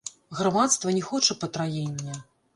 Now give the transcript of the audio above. Грамадства не хоча патраення.